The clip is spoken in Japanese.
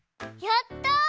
やった！